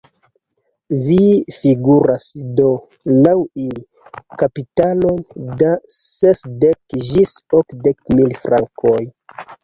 Vi figuras do, laŭ ili, kapitalon da sesdek ĝis okdek mil frankoj.